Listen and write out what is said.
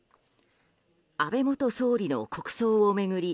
安倍元総理の国葬を巡り